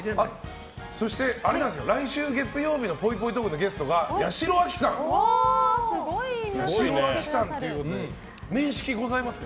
そして、来週月曜日のぽいぽいトークのゲストが八代亜紀さんということで面識ございますか？